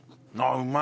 うまい。